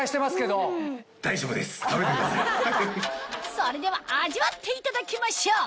それでは味わっていただきましょう！